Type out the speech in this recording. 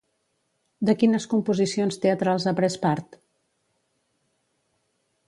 De quines composicions teatrals ha pres part?